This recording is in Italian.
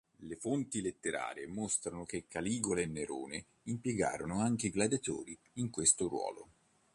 Le fonti letterarie mostrano che Caligola e Nerone impiegarono anche gladiatori in questo ruolo.